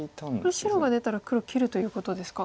これ白が出たら黒切るということですか。